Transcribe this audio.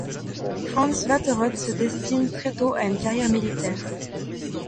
Franz Vaterrodt se destine très tôt à une carrière militaire.